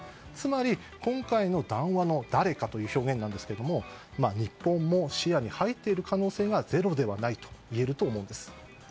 つまり、今回の談話の誰かという表現なんですが日本も視野に入っている可能性がゼロではないと思うんです。